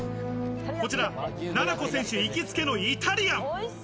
こちら、なな子選手行きつけのイタリアン。